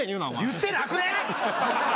言ってなくねぇ？